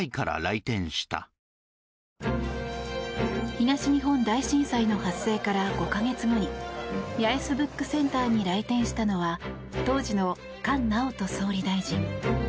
東日本大震災の発生から５か月後に八重洲ブックセンターに来店したのは当時の菅直人総理大臣。